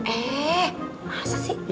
eh masa sih